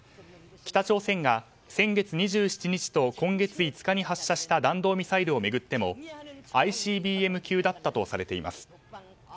北朝鮮が先月２７日と今月５日に発射した弾道ミサイルを巡ってもＩＣＢＭ級だったとされています。